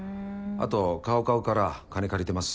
あとカウカウから金借りてます。